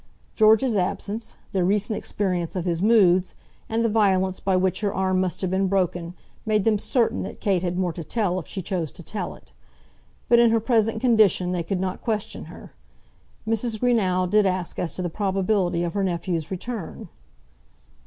George's absence, their recent experience of his moods, and the violence by which her arm must have been broken, made them certain that Kate had more to tell if she chose to tell it. But in her present condition they could not question her. Mrs. Greenow did ask as to the probability of her nephew's return.